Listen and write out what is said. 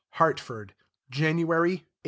HARTFORD, January, 1880.